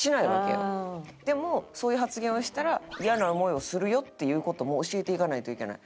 でもそういう発言をしたらイヤな思いをするよっていう事も教えていかないといけない。